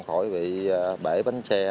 khỏi bị bể bến xe